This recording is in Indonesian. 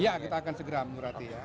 iya kita akan segera menyurati ya